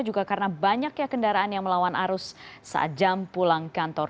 juga karena banyaknya kendaraan yang melawan arus saat jam pulang kantor